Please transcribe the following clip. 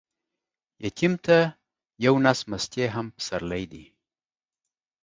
يتيم ته يو نس مستې هم پسرلى دى.